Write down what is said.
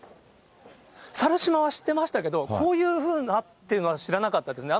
猿島は知ってましたけど、こういうふうなっていうのは知らなかったですね。